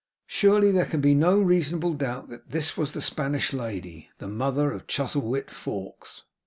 Surely there can be no reasonable doubt that this was the Spanish lady, the mother of Chuzzlewit Fawkes.